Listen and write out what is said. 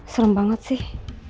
serem banget sih